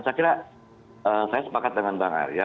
saya kira saya sepakat dengan bang arya